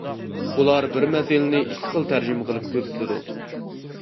ئۇلار بىر مەسىلىنى ئىككى خىل تەرجىمە قىلىپ كۆزىتىدۇ.